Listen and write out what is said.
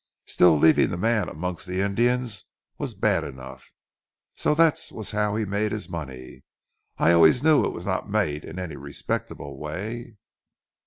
Still, leaving the man amongst the Indians was bad enough. So that was how he made his money. I always knew it was not made in any respectable way."